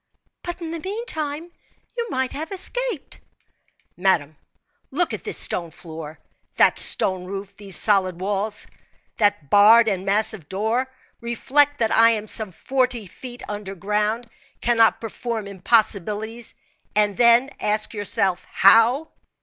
"But in the meantime you might have escaped." "Madame, look at this stone floor, that stone roof, these solid walls, that barred and massive door; reflect that I am some forty feet under ground cannot perform impossibilities, and then ask yourself how?"